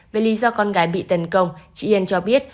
với lý do con gái bị tấn công chị yên cho biết